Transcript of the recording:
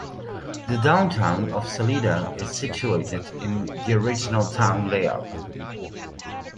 The Downtown of Salida is situated in the original town layout.